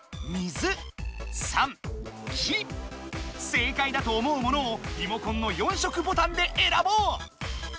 正解だと思うものをリモコンの４色ボタンでえらぼう！